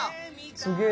すげえ！